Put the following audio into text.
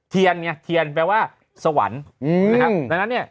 เทียนไงเทียนแปลว่าสวรรค์นะครับดังนั้นเนี่ย